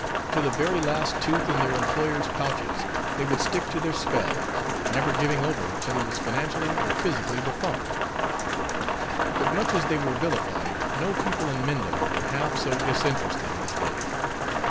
To the very last tooth in their employer's pouches, they would stick to their spells; never giving over till he was financially or physically defunct. But much as they were vilified, no people in Minda were half so disinterested as they.